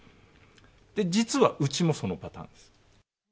実はうちもそのパターンです。